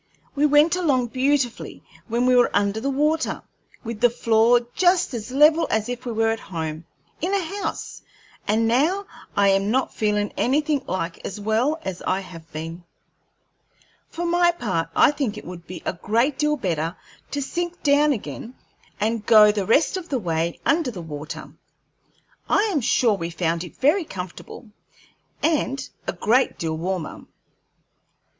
We went along beautifully when we were under the water, with the floor just as level as if we were at home, in a house, and now I am not feelin' anything like as well as I have been. For my part, I think it would be a great deal better to sink down again and go the rest of the way under the water. I am sure we found it very comfortable, and a great deal warmer."